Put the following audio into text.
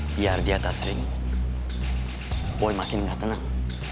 biar di atas ring boy makin gak tenang